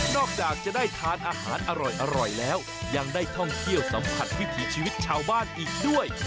จากจะได้ทานอาหารอร่อยแล้วยังได้ท่องเที่ยวสัมผัสวิถีชีวิตชาวบ้านอีกด้วย